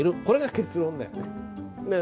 これが結論だよね。